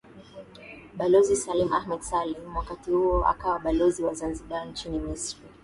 Balozi Salim Ahmed Salim wakati huo akawa Balozi wa Zanzibar nchini Misri